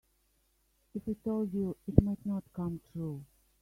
If I told you it might not come true.